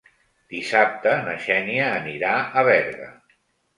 Dissabte na Xènia anirà a Berga.